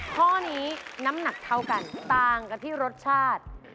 ข้อนี้น้ำหนักเท่ากันต่างกันที่รสชาติ